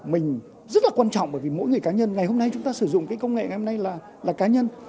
mình rất là quan trọng bởi vì mỗi người cá nhân ngày hôm nay chúng ta sử dụng công nghệ là cá nhân